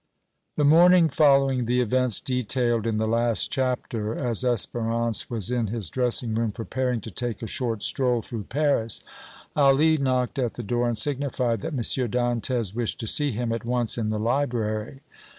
The morning following the events detailed in the last chapter, as Espérance was in his dressing room preparing to take a short stroll through Paris, Ali knocked at the door and signified that M. Dantès wished to see him at once in the library.